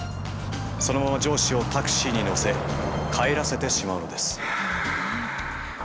そのまま上司をタクシーに乗せ帰らせてしまうのです。